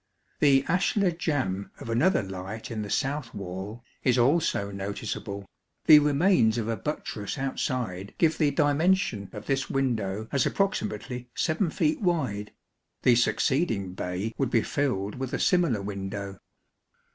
The ashlar jamb of another light in the south wall is also noticeable; the remains of a buttress outside give the dimension of this window as approximately 7 feet wide, the succeeding bay would be filled with a similar window.